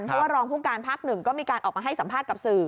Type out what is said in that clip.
เพราะว่ารองผู้การภาคหนึ่งก็มีการออกมาให้สัมภาษณ์กับสื่อ